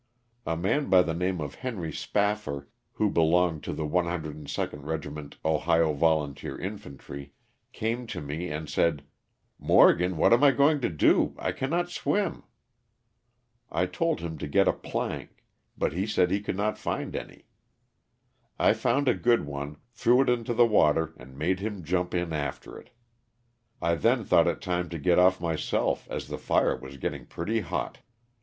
A man by the name of Henry Spaffar, who belonged to the 102d Kegiment Ohio Volunteer Infantry, came to me and said, *' Morgan, what am I going to do, I cannot swim ?" I told him to get a plank, but he said he could not find any. I found a good one, threw it into the water and made him jump in after it. I then thought it time to get o : myself as the fire was getting pretty hot.